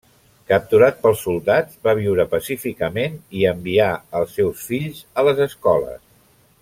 Capturat pels soldats, va viure pacíficament i envià els seus fills a les escoles.